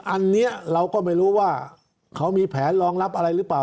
อันนี้เราก็ไม่รู้ว่าเขามีแผนรองรับอะไรหรือเปล่า